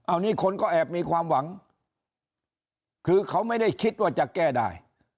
อันนี้คนก็แอบมีความหวังคือเขาไม่ได้คิดว่าจะแก้ได้